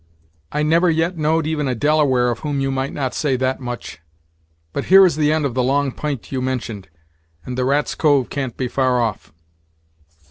"I never yet know'd even a Delaware of whom you might not say that much. But here is the end of the long p'int you mentioned, and the 'Rat's Cove' can't be far off."